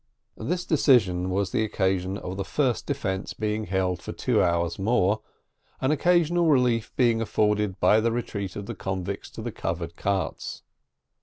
This decision was the occasion of the first defence being held for two hours more, an occasional relief being afforded by the retreat of the convicts to the covered carts.